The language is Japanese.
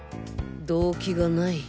動機がない。